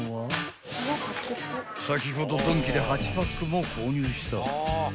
［先ほどドンキで８パックも購入した］